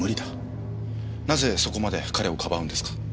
なぜそこまで彼をかばうんですか？